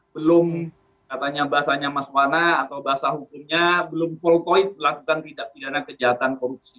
belum katanya bahasanya mas wana atau bahasa hukumnya belum voltoid melakukan pidana kejahatan korupsi